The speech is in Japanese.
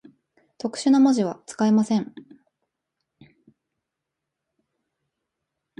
特殊な文字は、使えません。